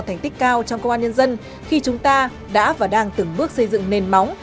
thành tích cao trong công an nhân dân khi chúng ta đã và đang từng bước xây dựng nền móng